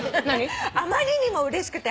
「あまりにもうれしくて。